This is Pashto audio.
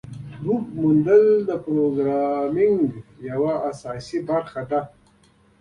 بګ موندل د پروګرامینګ یوه اساسي برخه ده.